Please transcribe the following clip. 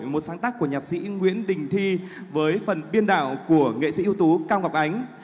một sáng tác của nhạc sĩ nguyễn đình thi với phần biên đạo của nghệ sĩ ưu tú cao ngọc ánh